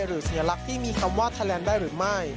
สัญลักษณ์ที่มีคำว่าไทยแลนด์ได้หรือไม่